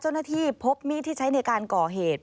เจ้าหน้าที่พบมีดที่ใช้ในการก่อเหตุ